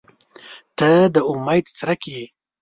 • ته د امید څرک یې.